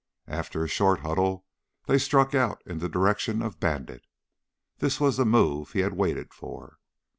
After a short huddle they struck out in the direction of Bandit. This was the move he had waited for.